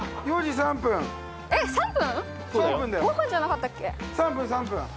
３分３分。